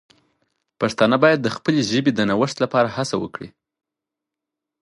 پښتانه باید د خپلې ژبې د نوښت لپاره هڅه وکړي.